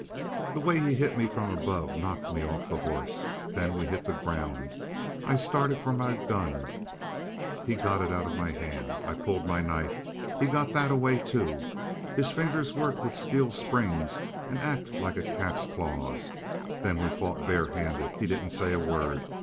"The way he hit me from above knocked me off the horse. Then we hit the ground. I started for my gun; he got it out of my hand; I pulled my knife. He got that away, too. His fingers work with steel springs and act like a cat's claws. Then we fought barehanded. He didn't say a word.